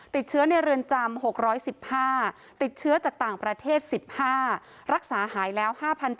ติดเชื้อในเรือนจำ๖๑๕ติดเชื้อจากต่างประเทศ๑๕รักษาหายแล้ว๕๗๐